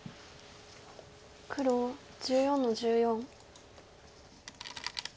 黒１４の十四。